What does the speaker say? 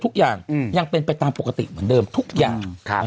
ทุกอย่างยังเป็นไปตามปกติเหมือนเดิมทุกอย่าง